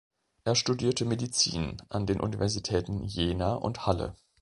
Er studierte Medizin an den Universitäten Jena und Halle.